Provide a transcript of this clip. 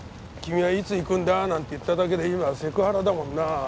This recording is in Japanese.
君はいつ行くんだ？なんて言っただけで今はセクハラだもんな。